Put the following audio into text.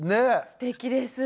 すてきです。